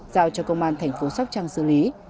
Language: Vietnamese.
giao cho công an tp sóc trăng xử lý